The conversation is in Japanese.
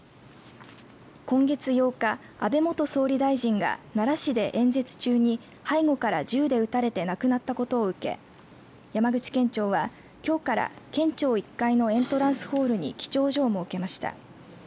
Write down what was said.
今月８日、安倍元総理大臣が奈良市で演説中に背後から銃で撃たれて亡くなったことを受け山口県庁は、きょうから県庁１階のエントランスホールに記帳所を設けました。